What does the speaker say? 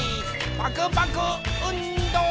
パクパクうんど！